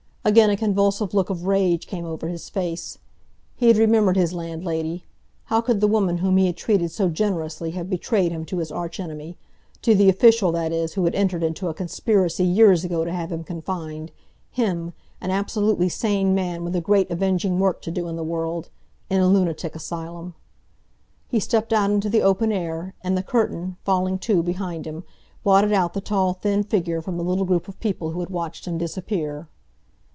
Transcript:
Again a convulsive look of rage came over his face. He had remembered his landlady. How could the woman whom he had treated so generously have betrayed him to his arch enemy?—to the official, that is, who had entered into a conspiracy years ago to have him confined—him, an absolutely sane man with a great avenging work to do in the world—in a lunatic asylum. He stepped out into the open air, and the curtain, falling to behind him, blotted out the tall, thin figure from the little group of people who had watched him disappear.